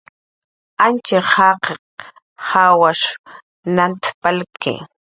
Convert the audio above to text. Antxiq jaqiq jawash nant palki